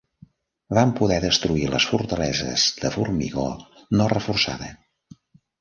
Van poder destruir les fortaleses de formigó no reforçada.